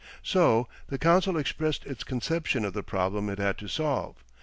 So the council expressed its conception of the problem it had to solve.